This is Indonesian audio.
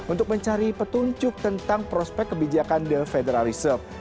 untuk mencari petunjuk tentang prospek kebijakan the federal reserve